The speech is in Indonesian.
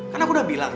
kan aku udah bilang